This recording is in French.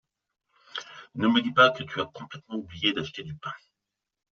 Ne me dis pas que tu as complètement oublié d’acheter du pain !